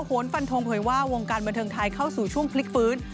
โหนฟันทงเผยว่าวงการบันเทิงไทยเข้าสู่ช่วงพลิกฟื้น